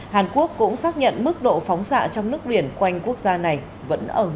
hàn quốc cũng xác nhận mức độ phóng xạ trong nước biển quanh quốc gia này vẫn ở ngưỡng